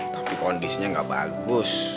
tapi kondisinya gak bagus